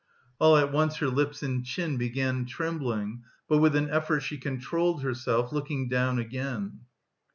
All at once her lips and chin began trembling, but, with an effort, she controlled herself, looking down again.